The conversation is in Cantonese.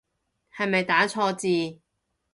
係咪打錯字